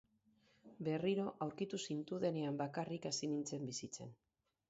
Berriro aurkitu zintudanean bakarrik hasi nintzen bizitzen.